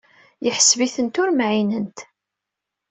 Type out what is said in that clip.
Yeḥseb-itent ur mɛinent.